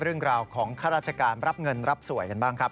เรื่องราวของข้าราชการรับเงินรับสวยกันบ้างครับ